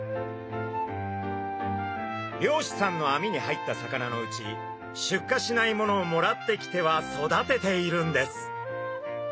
漁師さんのあみに入った魚のうち出荷しないものをもらってきては育てているんです。